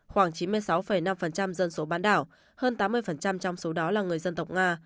khoảng chín mươi sáu năm dân số bán đảo hơn tám mươi trong số đó là người dân tộc nga